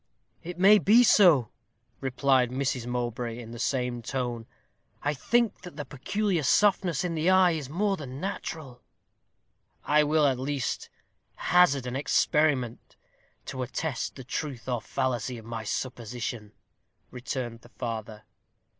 "It may be so," replied Mrs. Mowbray, in the same tone. "I think that the peculiar softness in the eye is more than natural." "I will at least hazard an experiment, to attest the truth or fallacy of my supposition," returned the father.